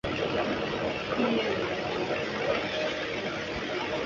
毕业于南充教育学院中文系。